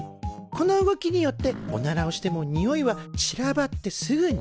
この動きによっておならをしてもにおいは散らばってすぐに消える。